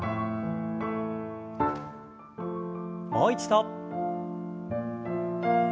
もう一度。